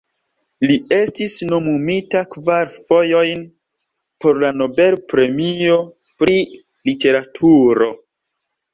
Li estis nomumita kvar fojojn por la Nobel-premio pri literaturo.